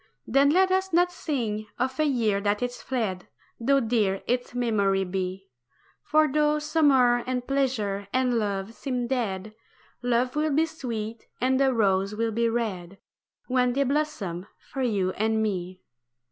Then let us not sing of a year that is fled Though dear its memory be: For though summer and pleasure and love seem dead, Love will be sweet, and the rose will be red When they blossom for you and me.